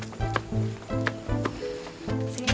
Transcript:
saat umur tentang kita